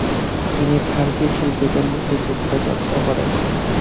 তিনি ফার্সি শিল্পীদের মতো চিত্র চর্চা করেন।